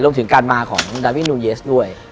รวมถึงการมาของดาวินูเยสด้วย